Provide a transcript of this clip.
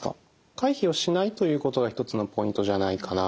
回避をしないということが１つのポイントじゃないかなと。